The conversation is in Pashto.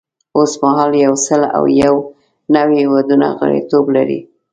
اوس مهال یو سل او یو نوي هیوادونه غړیتوب لري.